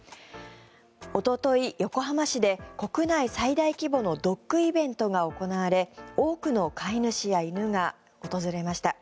おととい、横浜市で国内最大規模のドッグイベントが行われ多くの飼い主や犬が訪れました。